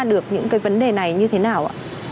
được những cái vấn đề này như thế nào ạ